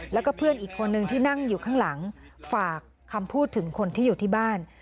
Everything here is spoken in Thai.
แล้วก็เพื่อนอีกคนนึงที่นั่งอยู่ข้างหลังฝากคำพูดถึงคนที่อยู่ที่บ้าน